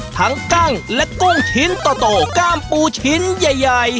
ทั้งกล้างและกุ้งชิ้นโตโต้กล้ามปูชิ้นใหญ่